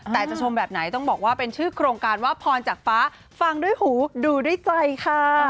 แต่จะชมแบบไหนต้องบอกว่าเป็นชื่อโครงการว่าพรจากฟ้าฟังด้วยหูดูด้วยใจค่ะ